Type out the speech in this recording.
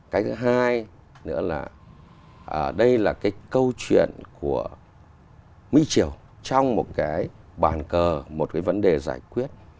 cái thứ hai nữa là đây là cái câu chuyện của mỹ triều trong một cái bàn cờ một cái vấn đề giải quyết